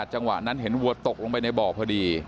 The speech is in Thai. จังหวะนั้นเห็นวัวตกลงไปในบ่อพอดี